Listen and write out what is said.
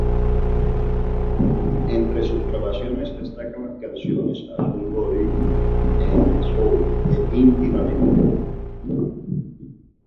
Entre sus grabaciones destacan las canciones Azul, Body and Soul e Íntimamente.